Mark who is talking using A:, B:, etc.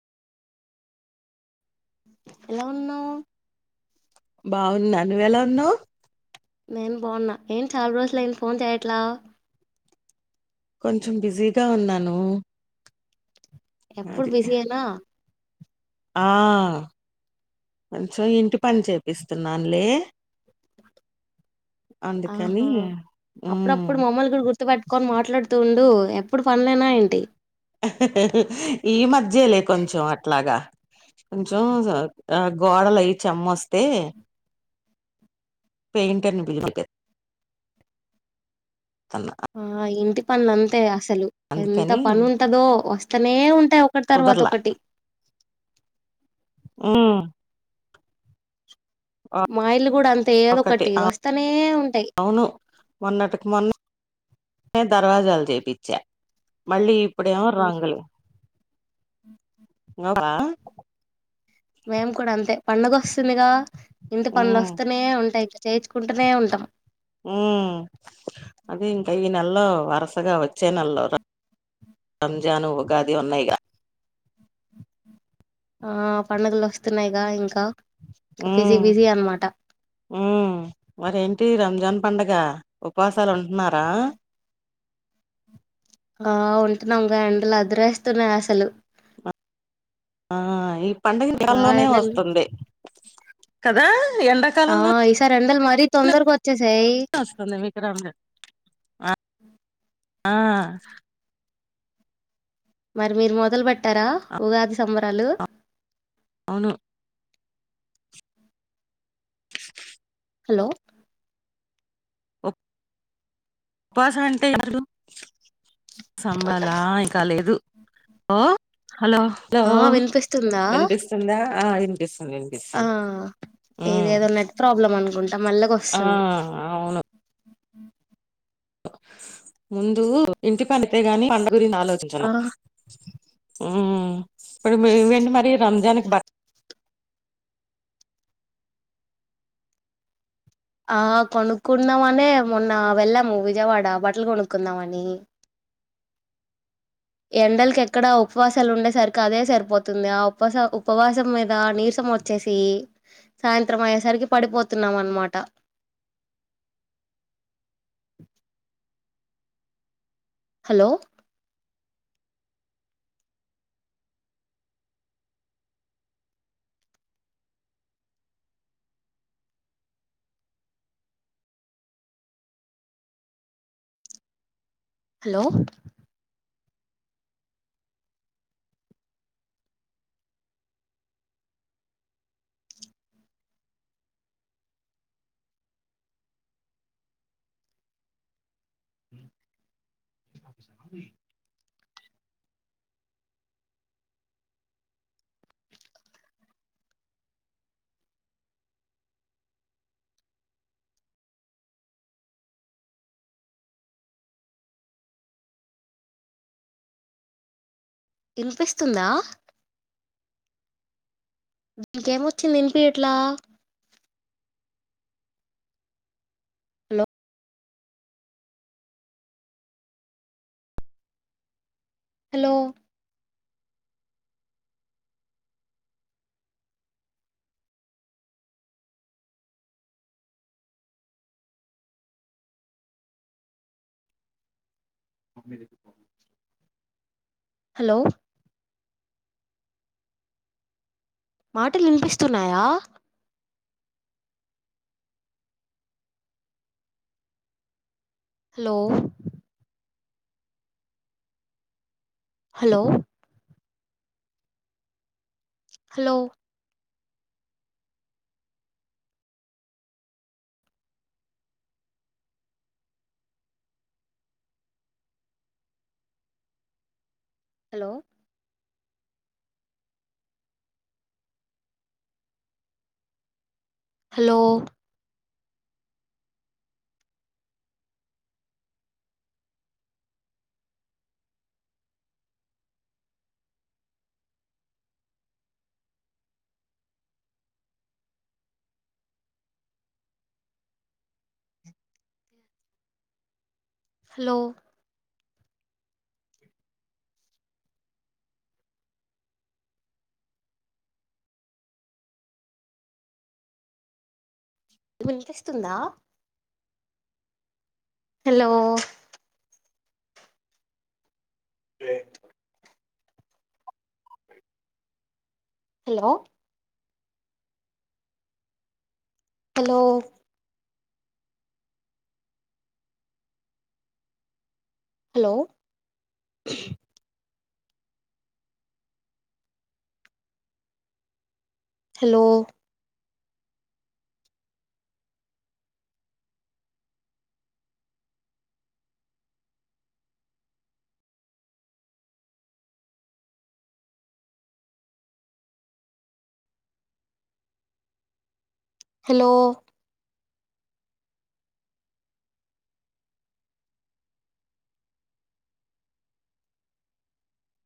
A: ఎలా ఉన్నావ్
B: బావున్నా నువ్వు ఎలా ఉన్నావ్
A: నేను బావున్నా ఏం చాలా రోజులయింది ఫోన్ చేయట్లా
B: కొంచెం బిజీగా ఉన్నాను
A: ఎప్పుడు
B: అది
A: బిజీ ఏనా
B: ఆ కొంచెం ఇంటి పని చేపిస్తున్నానులే అందుకని
A: ఆహా
B: మ్మ్
A: అప్పుడప్పుడు మమ్మల్ని కూడా గుర్తుపట్టుకొని మాట్లాడుతూ ఊ ఎప్పుడు పనులేనా ఏంటి
B: ఈ మధ్యలే కొంచెం అట్లాగా కొంచెం గోడలు అయి చెమ్మోస్తే పెయింటర్ ని బిలి [unintelligible]
A: ఆ ఇంటి పనులు అంతే అసలు ఎంత
B: అందుకని
A: పని ఉంటదో వస్తనే ఉం టే ఒకటి తర్వాత
B: కుదరలా
A: ఒకటి
B: మ్
A: మా ఇల్లు కూడా అంతే ఏదో ఒకటి వస్తానే ఉంటయ్
B: అవును మొన్నటికి మొన్న దర్వాజాలు జేపిచ్చా మళ్ళీ ఇపుడేమో
A: ఉమ్,
B: రంగులు ఉన్నవా
A: మేము కూడా అంతే పండుగొస్తుందిగా ఇంటి పండ్లోస్తనే ఉంటాయి ఇక చేయిచుకుంటునే ఉంటాం
B: నెల్లో వరసగా వచ్చే నెలో రంజాను ఉగాది ఉన్నయ్ గా
A: ఆ పండగలోస్తున్నయ్ గా ఇంకా ఇంకా బిజీ
B: మ్
A: బిజీ అనమాట
B: మ్ మరి ఏంటి రంజాన్ పండగ ఉపవాసాలు ఉంటున్నారా
A: ఆ ఉంటున్నాం గా ఎండలు అదిరేస్తున్నాయి అసలు
B: ఆ ఈ పండగ
A: బా
B: నెలల్లోనే
A: ఎండలు
B: వస్తుంది కదా
A: ఆ
B: ఎండాకాలంలోనే
A: ఈసారి ఎండలు మరీ తొందరగ
B: వస్తుంది విక్రమ్ ది ఆ ఆ
A: మరి మీరు మొదలు పెట్టారా ఉగాది సంబరాలు
B: అవును
A: హలో
B: ఉ ఉపాస అంటే ఎవరు సంబాలా ఇకా లేదు ఒ హలో లో
A: ఆ వినిపిస్తుందా
B: వినిపిస్తుందా ఆ వినిపిస్తుంది
A: ఆ
B: వినిపిస్తుంది ఉమ్
A: ఇదేదో నెట్ ప్రాబ్లం అనుకుంటా మె
B: ఆ
A: ళ్ళగొస్తుంది [inaudible]
B: అవును ముందు ఇంటి పనితే గాని పండుగురినిచి ఆలోచించను
A: ఆ
B: ఊమ్ ఇప్పుడు మీరేంటి మరి రంజాన్కి బక్
A: ఆ కొనుక్కున్నమనే మొన్న వెళ్ళాము విజయవాడ బట్టలు గొనుక్కుందామని ఎండలకి ఎక్కడ ఉపవాసాలు ఉండే సరికి అదే సరిపోతుంది ఆ ఉపస ఉపవాసం మీద నీర్స్ మొచ్చేసి సాయంత్రం అయ్యేసరికి పడిపోతున్నాం అనమాట [inaudible] హలో హలో [unintelligible] వినిపిస్తుందా దీనికెమొచ్చింది ఇనిపియట్లా హలో హలో మమ్మీదేపో హలో మాటలు వినిపిస్తున్నాయా hello hello hello hello hello hello వినిపిస్తుందా hello play hello hello hello hello hello